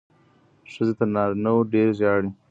ښځې تر نارینه وو ډېرې ژاړي.